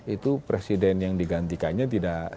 itu presiden yang digantikannya tidak